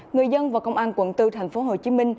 người dân và công an quận bốn thành phố mỹ khôi